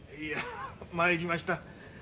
いや参りました。